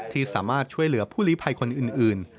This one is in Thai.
ที่สามารถช่วยเหลือผู้ลีภัยคนอื่น